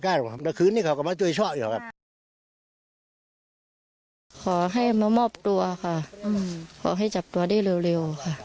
กินไร้การกินเข้ากันเลิกกันไป